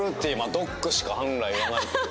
ドッグしか案外言わないけど。